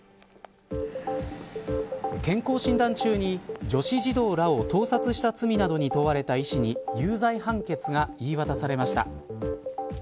健康診断中に女子児童らを盗撮した罪などに問われた医師に有罪判決が言い渡されました。